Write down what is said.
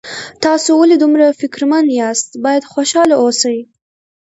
تاسو ولې دومره فکرمن یاست باید خوشحاله اوسئ